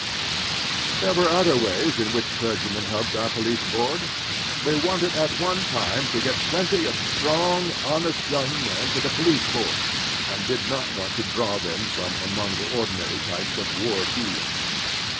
There were other ways in which clergymen helped our Police Board. We wanted at one time to get plenty of strong, honest yotmg men for the police force, and did not want to draw them from among the ordinary types of ward heeler.